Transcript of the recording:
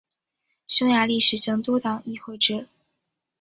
匈牙利实行多党议会制。